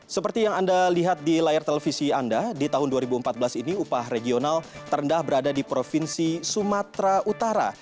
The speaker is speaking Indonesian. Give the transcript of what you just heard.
seperti yang anda lihat di layar televisi anda di tahun dua ribu empat belas ini upah regional terendah berada di provinsi sumatera utara